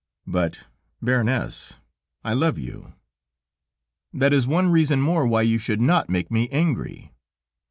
"But, Baroness, I love you...." "That is one reason more why you should not make me angry."